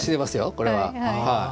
これは。